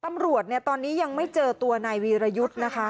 ตำรวจเนี่ยตอนนี้ยังไม่เจอตัวนายวีรยุทธ์นะคะ